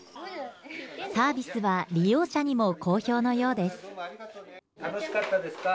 サービスは利用者にも好評の楽しかったですか？